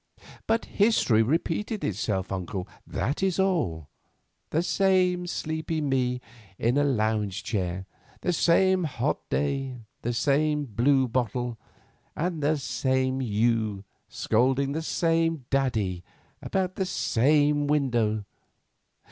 But history repeated itself, uncle, that is all. The same sleepy Me in a lounge chair, the same hot day, the same blue bottle, and the same You scolding the same Daddy about the same window.